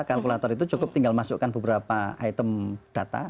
kalkulator itu cukup tinggal masukkan beberapa item data